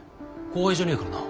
後輩じゃねえからな。